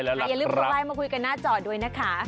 อย่าลืมส่งไลน์มาคุยกันหน้าจอด้วยนะคะ